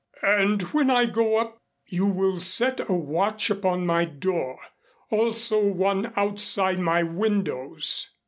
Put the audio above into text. And when I go up you will set a watch upon my door also one outside my windows."